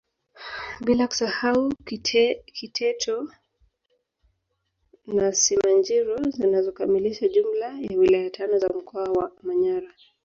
Bila kusahau Kiteto na Simanjiro zinazokamilisha jumla ya wilaya tano za mkoa wa Manyara